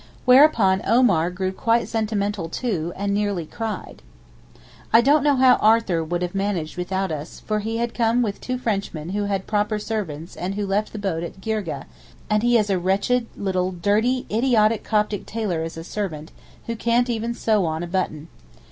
Whereupon Omar grew quite sentimental too, and nearly cried. I don't know how Arthur would have managed without us, for he had come with two Frenchmen who had proper servants and who left the boat at Girgeh, and he has a wretched little dirty idiotic Coptic tailor as a servant, who can't even sew on a button.